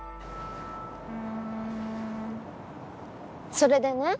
それでね